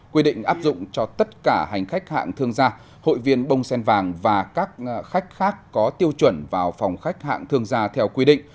quy định áp dụng cho tất cả hành khách hạng thương gia hội viên bông sen vàng và các khách khác có tiêu chuẩn vào phòng khách hạng thương gia theo quy định